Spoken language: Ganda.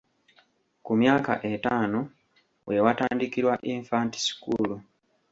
Ku myaka etaano, we watandikirwa Infant School.